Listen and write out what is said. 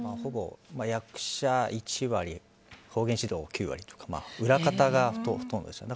役者１割、方言指導９割とか裏方がほとんどですね。